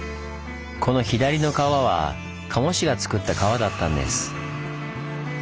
この左の川は賀茂氏がつくった川だったんです。